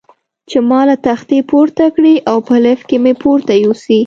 چې ما له تختې پورته کړي او په لفټ کې مې پورته یوسي.